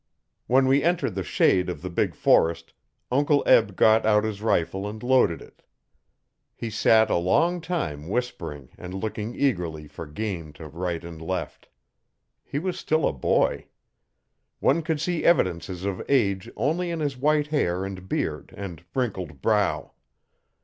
When we entered the shade of the big forest Uncle Eb got out his rifle and loaded it. He sat a long time whispering and looking eagerly for game to right and left. He was still a boy. One could see evidences of age only in his white hair and beard and wrinkled brow.